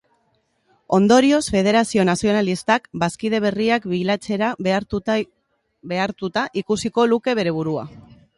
Ondorioz, federazio nazionalistak bazkide berriak bilatzera behartuta ikusiko luke bere burua.